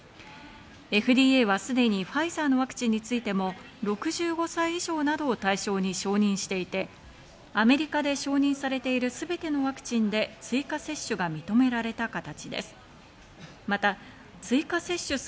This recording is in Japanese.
ＦＤＡはすでにファイザーのワクチンについても６５歳以上などを対象に承認していて、アメリカで承認されているすべてのワクチンで追加接種が認められた形です。